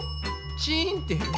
チーンっていう。